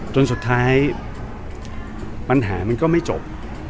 จนสุดท้ายปัญหามันก็ไม่จบ